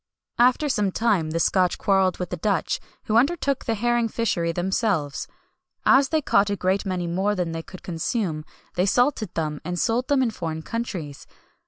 After some time the Scotch quarrelled with the Dutch, who undertook the herring fishery themselves. As they caught a great many more than they could consume, they salted them, and sold them in foreign countries.